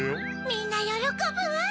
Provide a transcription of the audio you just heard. みんなよろこぶわ。